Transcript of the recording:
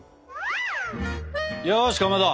よしかまど